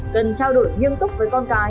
cần trao đổi nghiêm túc với người khác